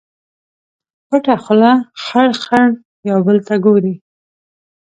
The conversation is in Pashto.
پټه خوله خړ، خړ یو بل ته ګوري